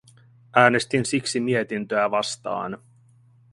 Äänestin siksi mietintöä vastaan.